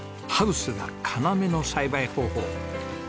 ハウスが要の栽培方法。